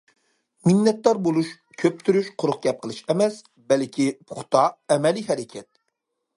مىننەتدار بولۇش كۆپتۈرۈش، قۇرۇق گەپ قىلىش ئەمەس، بەلكى پۇختا، ئەمەلىي ھەرىكەت.